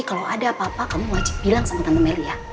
eh tapi nanti kalau ada apa apa kamu ngulajib bilang sama tante meli ya